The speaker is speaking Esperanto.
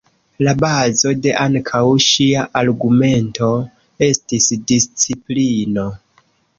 La bazo de ankaŭ ŝia argumento estis disciplino.